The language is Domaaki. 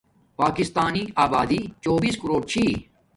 پاکسانی آبادی چوبیس کوروٹ چھی